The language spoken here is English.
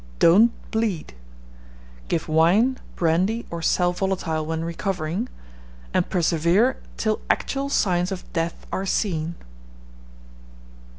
Don't bleed. Give wine, brandy, or sal volatile when recovering, and _persevere till actual signs of death are seen.